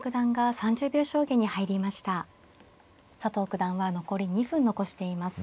佐藤九段は残り２分残しています。